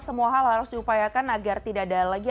semua hal harus diupayakan agar tidak ada lagi